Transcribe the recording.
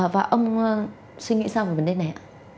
và ông suy nghĩ sao về vấn đề này ạ